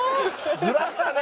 ずらしたね！